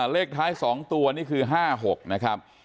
เลขท้าย๒ตัวนี่คือ๕๖นะครับ